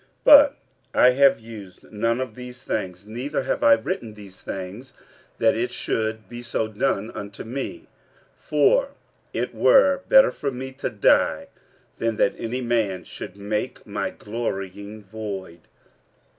46:009:015 But I have used none of these things: neither have I written these things, that it should be so done unto me: for it were better for me to die, than that any man should make my glorying void.